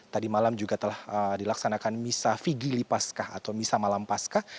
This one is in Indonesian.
tadi malam juga telah dilaksanakan misa figili paskah atau misa malam pascah